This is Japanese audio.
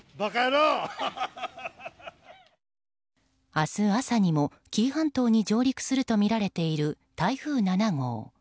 明日朝にも紀伊半島に上陸するとみられている台風７号。